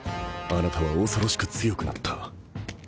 あなたは恐ろしく強くなった